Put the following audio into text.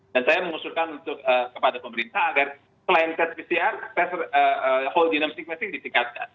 dan saya mengusurkan kepada pemerintah agar selain test pcr whole genome sequencing disingkatkan